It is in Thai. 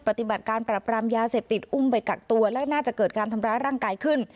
ปฏิบัติการปรับรามยาเสพติดอุ้มไปกักตัวและน่าจะเกิดการทำร้ายร่างกายขึ้น